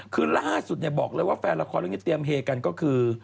คือล่าสุดบอกเลยว่าแฟนละครเรื่องนี้เตรียมเฮกันก็คือ